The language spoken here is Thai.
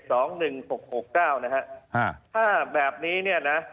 ถ้าแบบนี้